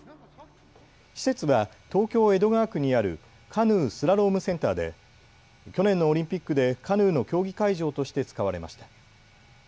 施設は東京江戸川区にあるカヌー・スラロームセンターで去年のオリンピックでカヌーの競技会場として使われました。